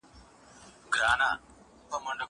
زه به پاکوالي ساتلي وي!